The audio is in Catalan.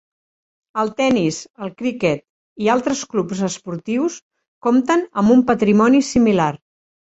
El tennis, el criquet i altres clubs esportius comptem amb un patrimoni similar.